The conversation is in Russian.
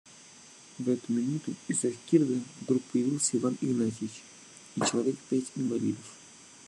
В эту минуту из-за скирда вдруг появился Иван Игнатьич и человек пять инвалидов.